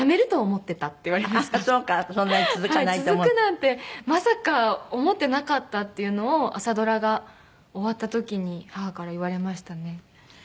続くなんてまさか思ってなかったっていうのを朝ドラが終わった時に母から言われましたね。